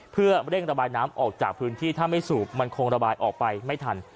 เพื่อเร่งระบายน้ำออกจากพื้นที่ถ้าไม่สูบมันคงระบายออกไปไม่ทัน